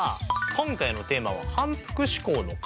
今回のテーマははい。